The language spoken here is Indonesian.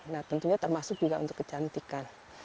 nah tentunya termasuk juga untuk kecantikan